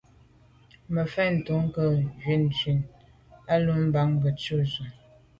Mafentu nkâgtʉ̌n nə̀ ywǐd ngə̀fə̂l ì nù mbàŋ gə̀ jʉ́ jú.